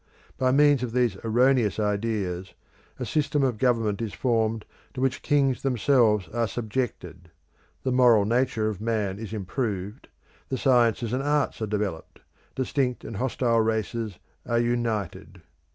By means of these erroneous ideas, a system of government is formed to which kings themselves are subjected; the moral nature of man is improved, the sciences and arts are developed, distinct and hostile races are united.